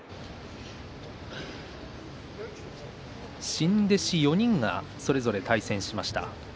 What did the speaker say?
新弟子４人がそれぞれ対戦しました。